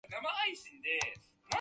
アクセサリーは程々が良い。